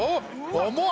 甘っ！